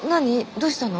どうしたの？